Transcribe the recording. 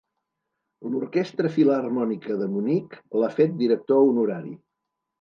L'Orquestra Filharmònica de Munic l'ha fet Director Honorari.